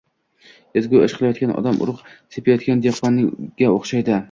Ezgu ish qilayotgan odam urug‘ sepayotgan dehqonga o‘xshaydi.